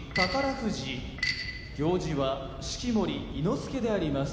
富士行司は式守伊之助であります。